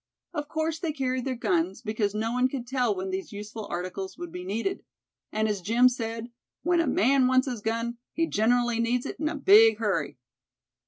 Of course they carried their guns, because no one could tell when these useful articles would be needed. And as Jim said, "when a man wants his gun, he gen'rally needs it in a big hurry."